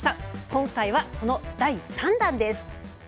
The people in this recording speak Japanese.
今回、その第３弾です。